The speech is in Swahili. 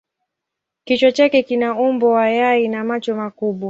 Kichwa chake kina umbo wa yai na macho makubwa.